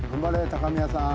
高宮さん。